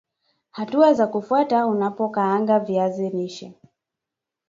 Hatua za kufuata unapokaanga viazi lishe